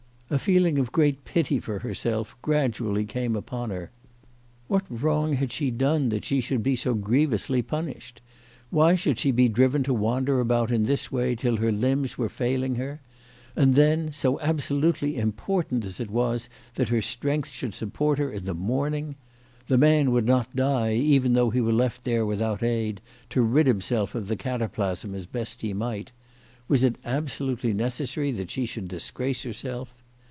A feeling of great pity for herself gradually came upon her. What CHRISTMAS AT THOMPSON HALL. wrong had she done that she should be so grievously punished ? Why should she be driven to wander about in this way till her limbs were failing her ? And then, so absolutely important as it was that her strength should support her in the morning ! The man would not die even though he were left there without aid, to rid himself of the cataplasm as best he might. Was it absolutely necessary that she should disgrace herself